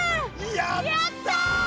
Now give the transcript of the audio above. やった！